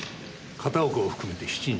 片岡を含めて７人。